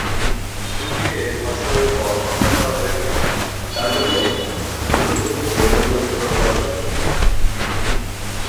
শিল্পীকে ধর্ষণের পর হত্যা করা হয়েছে কিনা তার জন্য মৃতদেহ থেকে নমুনা সংগ্রহ করা হয়েছে।